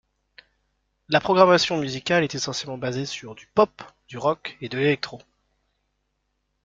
La programmation musicale est essentiellement basée sur du pop, du rock et de l'électro.